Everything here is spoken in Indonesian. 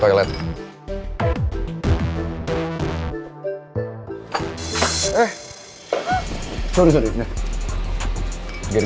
oke jangan lama lama